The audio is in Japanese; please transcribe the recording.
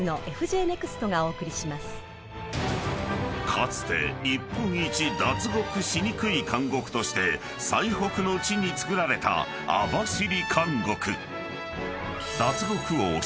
［かつて日本一脱獄しにくい監獄として最北の地に造られた網走監獄］